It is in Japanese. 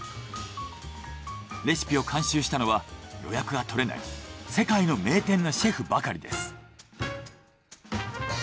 レシピを監修したのは予約が取れない世界の名店のシェフばかりです。